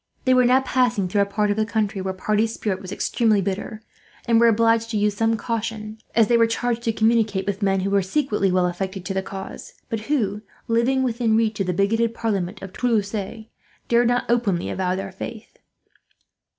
They were now passing through a part of the country where party spirit was extremely bitter, and were obliged to use some caution, as they were charged to communicate with men who were secretly well affected to the cause; but who, living within reach of the bigoted parliament of Toulouse, dared not openly avow their faith.